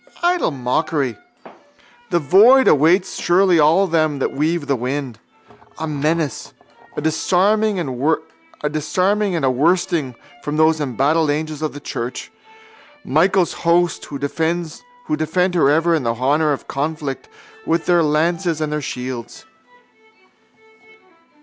Idle mockery. The void awaits surely all them that weave the wind: a menace, a disarming and a worsting from those embattled angels of the church, Michael's host, who defend her ever in the hour of conflict with their lances and their shields.